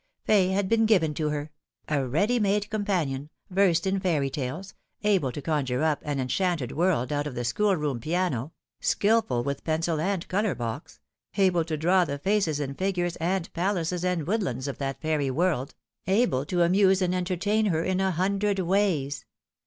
Fay had been given to her a ready made companion, versed in fairy tales, able to conjure up an enchanted world out of the schoolroom piano, skilful with pencil and colour box, able to draw the faces and figures and palaces and woodlands of that fairy world, able to amuse and entertain her in a hundred ways.